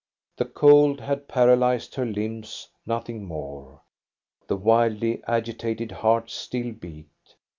The cold had paralyzed her limbs, nothing more. The wildly agitated heart still beat.